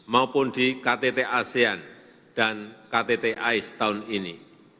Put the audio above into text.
maupun di ktt asean dan ktt ais tahun ini